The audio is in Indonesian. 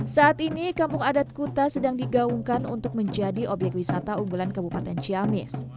saat ini kampung adat kuta sedang digaungkan untuk menjadi obyek wisata unggulan kabupaten ciamis